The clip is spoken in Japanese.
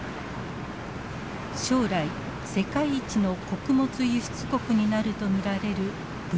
将来世界一の穀物輸出国になると見られるブラジル。